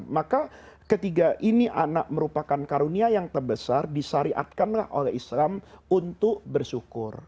maka ketiga ini anak merupakan karunia yang terbesar disariatkanlah oleh islam untuk bersyukur